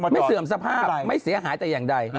เสื่อมสภาพไม่เสียหายแต่อย่างใด